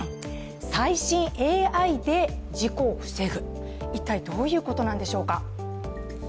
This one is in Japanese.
最新ＡＩで事故を防ぐ、一体どういうことなんでしょうか。